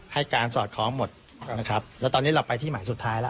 ให้การสอดคล้องหมดนะครับแล้วตอนนี้เราไปที่หมายสุดท้ายแล้ว